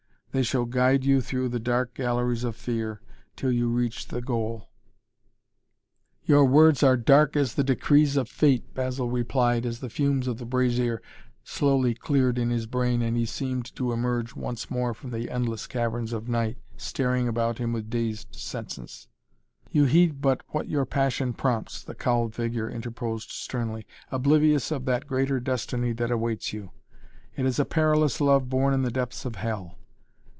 They shall guide you through the dark galleries of fear, till you reach the goal." "Your words are dark as the decrees of Fate," Basil replied, as the fumes of the brazier slowly cleared in his brain and he seemed to emerge once more from the endless caverns of night, staring about him with dazed senses. "You heed but what your passion prompts," the cowled figure interposed sternly, "oblivious of that greater destiny that awaits you! It is a perilous love born in the depths of Hell.